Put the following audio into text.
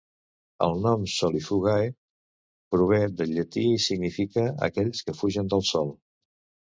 El nom solifugae prové del llatí i significa "aquells que fugen del sol".